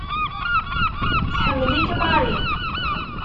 Tḥemmel-ik Mary.